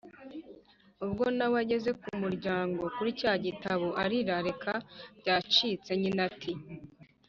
ubwo na we ageze ku muryango kuri cya gitabo ararira reka byacitse. nyina ati